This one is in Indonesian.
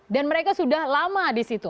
dan mereka sudah lama di situ